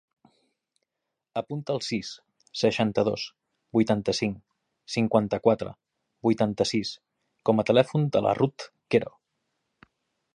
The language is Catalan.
Apunta el sis, seixanta-dos, vuitanta-cinc, cinquanta-quatre, vuitanta-sis com a telèfon de la Ruth Quero.